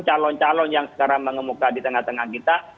calon calon yang sekarang mengemuka di tengah tengah kita